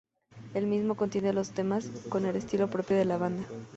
El mismo contiene los temas con el estilo propio de la banda.